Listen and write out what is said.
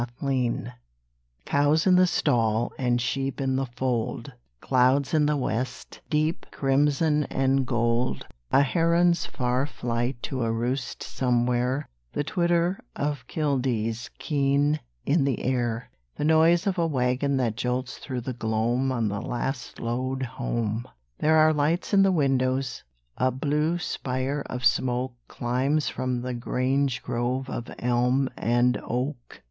Harvest Cows in the stall and sheep in the fold; Clouds in the west, deep crimson and gold; A heron's far flight to a roost somewhere; The twitter of killdees keen in the air; The noise of a wagon that jolts through the gloam On the last load home. There are lights in the windows; a blue spire of smoke Climbs from the grange grove of elm and oak.